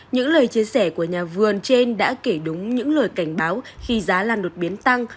những lời chia sẻ của nhà vườn trên đã kể đúng những lời cảnh báo khi giá lan đột biến tăng